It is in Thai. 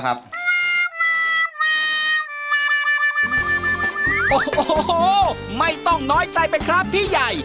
โอ้โหไม่ต้องน้อยใจไปครับพี่ใหญ่